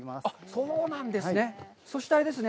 そうなんですね。